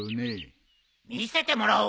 見せてもらおうか。